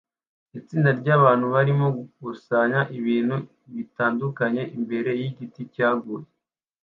Itsinda ryabantu barimo gukusanya ibintu bitandukanye imbere yigiti cyaguye